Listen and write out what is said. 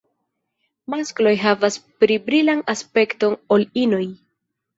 Maskloj havas pli brilan aspekton ol inoj.